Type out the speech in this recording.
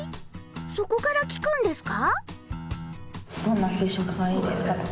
そこから聞くんですか？